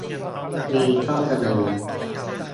มีข้อเสนอ